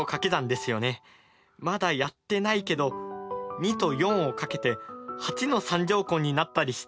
まだやってないけど２と４を掛けて８の３乗根になったりして！